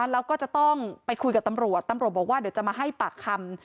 แล้วก็จะต้องไปคุยกับตำรวจตำรวจบอกว่าเดี๋ยวจะมาให้ปากคำ